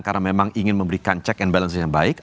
karena memang ingin memberikan check and balance yang baik